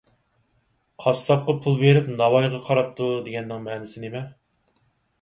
«قاسساپقا پۇل بېرىپ ناۋايغا قاراپتۇ» دېگەننىڭ مەنىسى نېمە؟